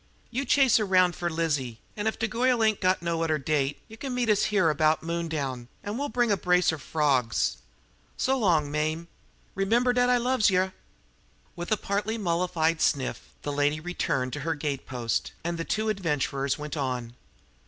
You chase aroun' fer Lizzie, an' if de goil ain't got no udder date, yet kin meet us here 'bout moondown, an' we'll bring yer a brace er frawgs. So long, Mame! Remember dat I loves yer!" With a partly mollified sniff, the lady retired to her gate post, and the two adventurers went on.